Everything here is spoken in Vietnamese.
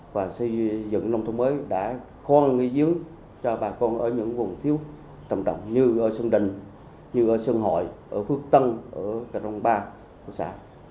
và xây dựng nông thôn mới đã khoan nghi dưỡng cho bà con ở những vùng thiếu trọng trọng như sân đình sân hội phước tân cà rông ba quốc xã